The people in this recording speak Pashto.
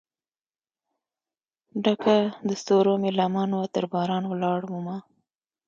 ډکه دستورومې لمن وه ترباران ولاړ مه